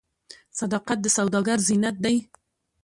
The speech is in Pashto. صداقت د سوداګر زینت دی.